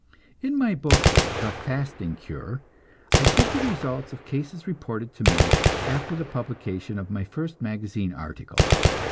In my book, "The Fasting Cure," I give the results in cases reported to me after the publication of my first magazine article.